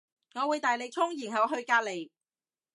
我會大力衝然後去隔籬